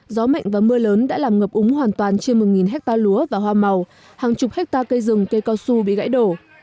gió mạnh và mưa lớn đã làm ngập úng hoàn toàn trên một hectare lúa và hoa màu hàng chục hectare cây rừng cây cao su bị gãy đổ